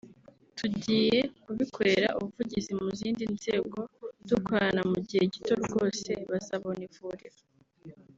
tugiye kubikorera ubuvugizi mu zindi nzego dukorana mu gihe gito rwose bazabona ivuriro”